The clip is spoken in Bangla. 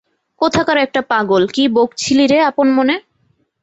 কোথাকার একটা পাগল, কি বকছিলি রে আপন মনে?